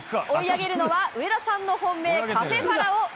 追い上げるのは上田さんの本命カフェファラオ。